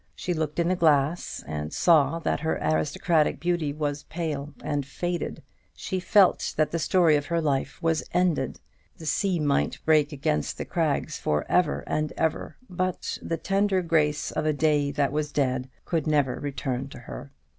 She looked in the glass, and saw that her aristocratic beauty was pale and faded; she felt that the story of her life was ended. The sea might break against the crags for ever and for ever; but the tender grace of a day that was dead could never return to her.